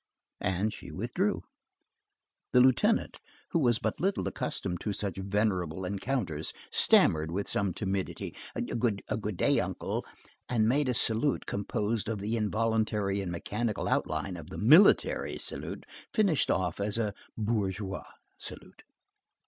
And she withdrew. The lieutenant, who was but little accustomed to such venerable encounters, stammered with some timidity: "Good day, uncle,"—and made a salute composed of the involuntary and mechanical outline of the military salute finished off as a bourgeois salute.